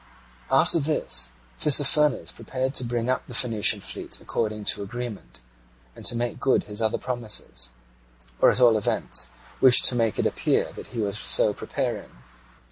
After this Tissaphernes prepared to bring up the Phoenician fleet according to agreement, and to make good his other promises, or at all events wished to make it appear that he was so preparing.